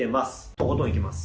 とことんいきます。